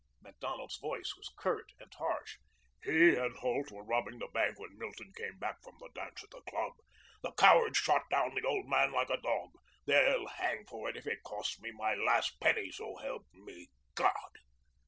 Macdonald's voice was curt and harsh. "He and Holt were robbing the bank when Milton came back from the dance at the club. The cowards shot down the old man like a dog. They'll hang for it if it costs me my last penny, so help me God."